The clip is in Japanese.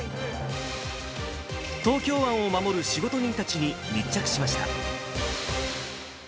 東京湾を守る仕事人たちに密着しました。